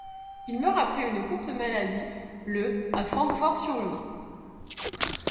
Il meurt après une courte maladie le à Francfort-sur-le-Main.